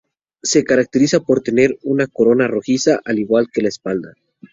Se caracteriza por tener una corona rojiza, al igual que la espalda.